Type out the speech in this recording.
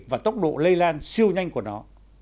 và tốc độ lây lan siêu nhanh của nó